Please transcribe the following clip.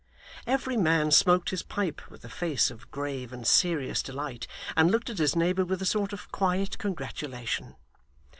Every man smoked his pipe with a face of grave and serious delight, and looked at his neighbour with a sort of quiet congratulation.